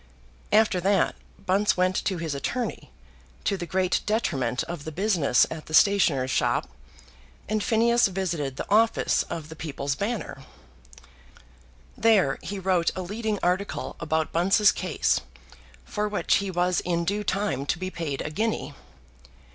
After that, Bunce went to his attorney, to the great detriment of the business at the stationer's shop, and Phineas visited the office of the People's Banner. There he wrote a leading article about Bunce's case, for which he was in due time to be paid a guinea.